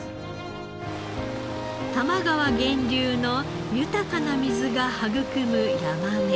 多摩川源流の豊かな水が育むヤマメ。